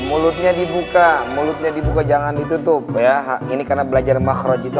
mulutnya dibuka mulutnya dibuka jangan ditutup ya ini karena belajar makro itu